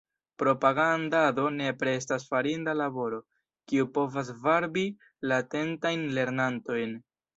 Propagandado nepre estas farinda laboro, kiu povas varbi latentajn lernantojn.